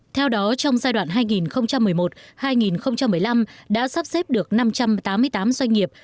theo đó trong giai đoạn hai nghìn một mươi một hai nghìn một mươi năm đã sắp xếp được năm trăm tám mươi tám doanh nghiệp